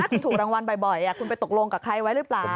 คุณถูกรางวัลบ่อยคุณไปตกลงกับใครไว้หรือเปล่า